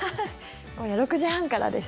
今夜６時半からです。